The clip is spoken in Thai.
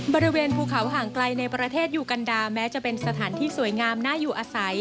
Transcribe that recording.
บริเวณภูเขาห่างไกลในประเทศยูกันดาแม้จะเป็นสถานที่สวยงามน่าอยู่อาศัย